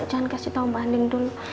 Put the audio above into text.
jangan kasih tau mbak andien dulu